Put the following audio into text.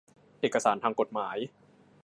เอกสารทางกฎหมาย